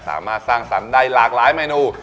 สามารถสร้างสรรค์ได้หลากหลายเมนู